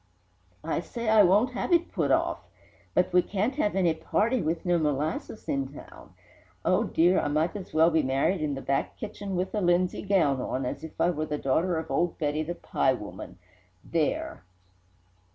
I say I won't have it put off! But we can't have any party with no molasses in town! Oh, dear! I might as well be married in the back kitchen with a linsey gown on, as if I were the daughter of old Betty, the pie woman! There!"